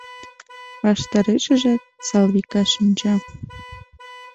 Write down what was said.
Ваштарешыжак Салвика шинча.